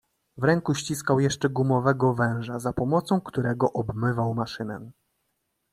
"W ręku ściskał jeszcze gumowego węża, za pomocą którego obmywał maszynę."